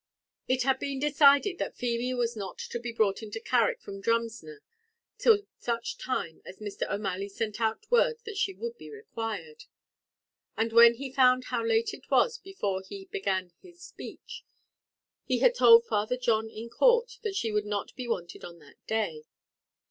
It had been decided that Feemy was not to be brought into Carrick from Drumsna till such time as Mr. O'Malley sent out word that she would be required; and when he found how late it was before he began his speech, he had told Father John in court that she would not be wanted on that day.